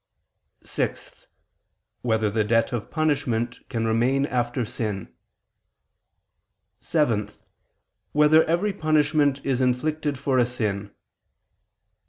(6) Whether the debt of punishment can remain after sin? (7) Whether every punishment is inflicted for a sin?